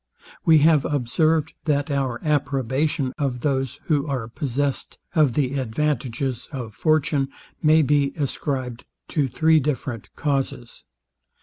We have observed, that our approbation of those, who are possessed of the advantages of fortune, may be ascribed to three different causes.